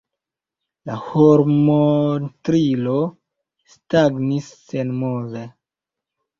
La hormontrilo stagnis senmove.